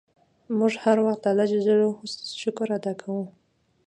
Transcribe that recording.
موږ هر وخت د اللهﷻ شکر ادا کوو.